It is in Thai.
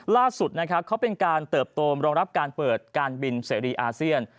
ล่าสุดนะครับเขาเป็นการเติบโตรองรับการเปิดการบินเสรีอาเซียน